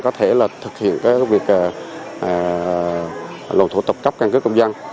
có thể thực hiện các việc lộn thủ tục cấp căn cước công dân